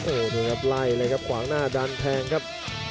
โอ้โหดูครับไล่เลยครับขวางหน้าดันแทงครับ